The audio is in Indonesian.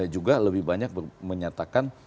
juga lebih banyak menyatakan